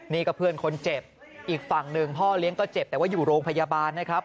นี่ก็เพื่อนคนเจ็บอีกฝั่งหนึ่งพ่อเลี้ยงก็เจ็บแต่ว่าอยู่โรงพยาบาลนะครับ